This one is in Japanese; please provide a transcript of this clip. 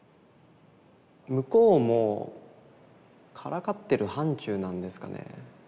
向こうもからかってる範ちゅうなんですかね。